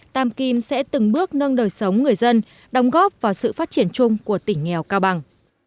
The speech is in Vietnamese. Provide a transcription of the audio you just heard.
tam kim sẽ từng bước nâng đời sống người dân đóng góp vào sự phát triển chung của tỉnh nghèo cao bằng